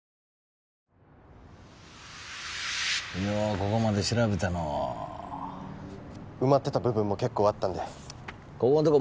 ここまで調べたのう埋まってた部分も結構あったんでここんとこ